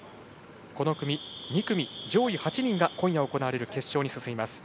この組、２組上位８人が今夜行われる決勝に進みます。